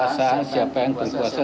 siapa yang berkuasa